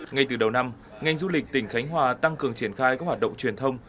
ngay từ đầu năm ngành du lịch tỉnh khánh hòa tăng cường triển khai các hoạt động truyền thông